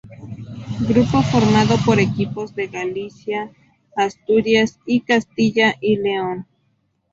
Grupo formado por equipos de Galicia, Asturias y Castilla y León.